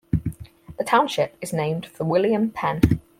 The township is named for William Penn.